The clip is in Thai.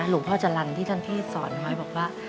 หลุงพ่อจันรรที่ท่านพี่สอนมาบอกว่า